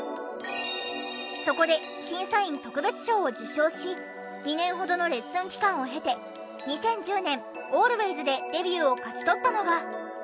そこで審査員特別賞を受賞し２年ほどのレッスン期間を経て２０１０年『Ａｌｗａｙｓ』でデビューを勝ち取ったのが。